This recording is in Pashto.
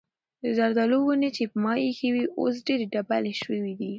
د زردالو ونې چې ما ایښې وې اوس ډېرې ډبلې شوې دي.